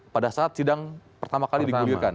pada saat sidang pertama kali digulirkan